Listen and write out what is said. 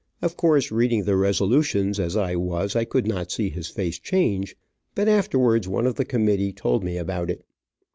Of course, reading the resolutions, as I was, I could not see his face change, but afterwards one of the committee told me about it.